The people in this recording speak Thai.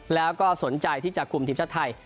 แล้วก็สนใจที่จะคุมทีมชาติไทย